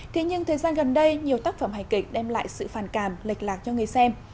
thế nhưng thời gian gần đây nhiều tác phẩm hài kịch đem lại sự phàn cảm lệch lạc cho người xem